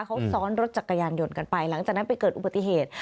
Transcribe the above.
เขาซ้อนรถจักรยานยนต์กันไปหลังจากนั้นไปเกิดอุบัติเหตุ